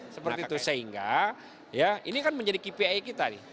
seperti itu sehingga ya ini kan menjadi kpi kita nih